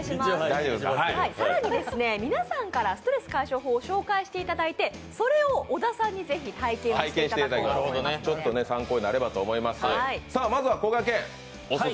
更に皆さんからストレス解消法を紹介していただいてそれを小田さんにぜひ体験していただこうと思います。